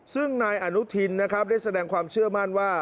ซึ่งนายอนุทินนะครับได้แสดงความเชื่อมั่นว่า